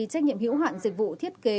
trách nhiệm hiểu hạn dịch vụ thiết kế